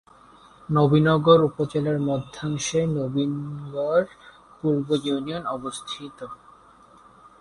নবীনগর উপজেলার মধ্যাংশে নবীনগর পূর্ব ইউনিয়নের অবস্থান।